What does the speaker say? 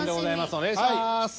お願いします。